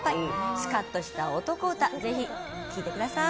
すかっとした男歌ぜひ聴いてください。